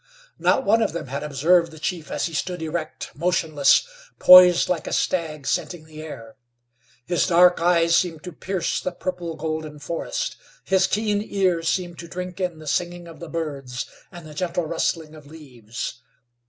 Not one of them had observed the chief as he stood erect, motionless, poised like a stag scenting the air. His dark eyes seemed to pierce the purple golden forest, his keen ear seemed to drink in the singing of the birds and the gentle rustling of leaves.